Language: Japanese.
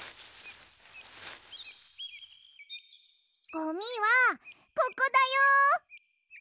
ゴミはここだよ。